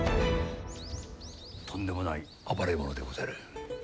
とんでもない暴れ者でござる。